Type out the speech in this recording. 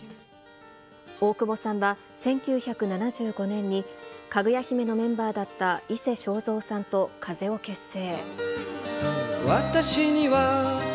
大久保さんは１９７５年に、かぐや姫のメンバーだった伊勢正三さんと風を結成。